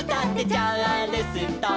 「チャールストン」